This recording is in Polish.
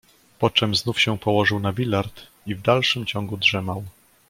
"Poczem znów się położył na bilard i w dalszym ciągu drzemał."